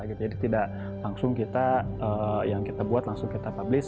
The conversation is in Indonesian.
jadi tidak langsung kita yang kita buat langsung kita publis